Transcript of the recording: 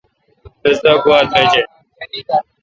رس دا گوا ترجہ ۔